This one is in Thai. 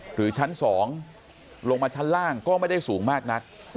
หรือชั้น๒ลงมาชั้นล่างก็ไม่ได้สูงมากนัก